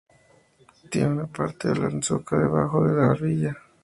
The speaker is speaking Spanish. Tiene una parte blancuzca debajo de la barbilla.